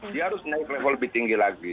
dia harus naik level lebih tinggi lagi